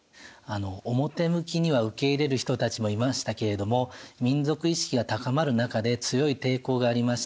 表向きには受け入れる人たちもいましたけれども民族意識が高まる中で強い抵抗がありました。